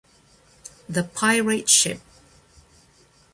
The Pirate Ship